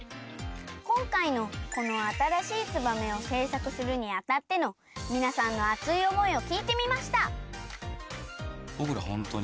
こんかいのこのあたらしい「ツバメ」をせいさくするにあたってのみなさんの熱い思いをきいてみました。